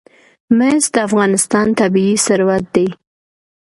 مس د افغانستان طبعي ثروت دی.